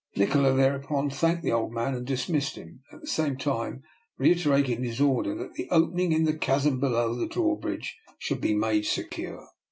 Nikola thereupon thanked the old man and dismissed him, at the same time reiterating his order that the opening in the chasm below the drawbridge should be made secure.